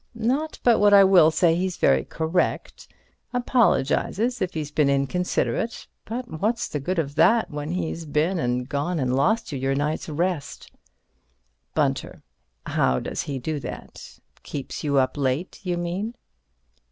Not but what I will say he's very correct. Apologizes if he's been inconsiderate. But what's the good of that when he's been and gone and lost you your nights rest? Bunter: How does he do that? Keeps you up late, you mean?